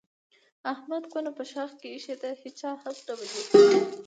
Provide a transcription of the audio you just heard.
احمد کونه په شاخ کې ایښې ده د هېچا هم نه مني.